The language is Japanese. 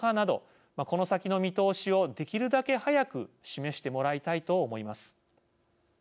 どこの先の見通しをできるだけ早く示してもらいたいと思います。